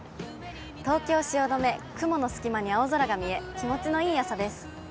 東京・汐留、雲の隙間に青空が見え、気持ちのいい朝です。